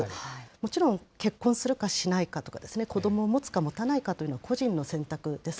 もちろん、結婚するかしないかとか、子どもを持つか持たないかというのは個人の選択です。